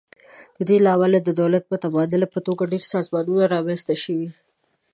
د دې له امله د دولت متبادل په توګه ډیر سازمانونه رامینځ ته شوي.